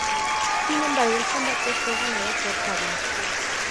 Sin embargo, el combate fue ganado por Sabin.